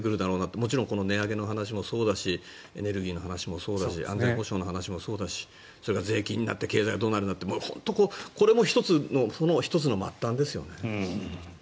もちろん値上げの話もそうだしエネルギーの話もそうだし安全保障の話もそうだしそれから税金だって経済がどうなるか本当にこれも１つの末端ですよね。